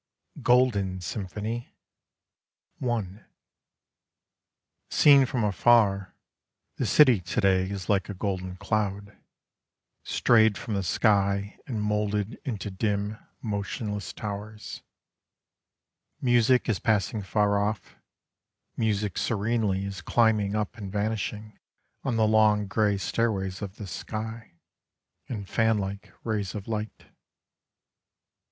GOLDEN SYMPHONY I Seen from afar, the city To day is like a golden cloud: Strayed from the sky and moulded Into dim motionless towers. Music is passing far off: Music serenely Is climbing up and vanishing On the long grey stairways of the sky, In fanlike rays of light.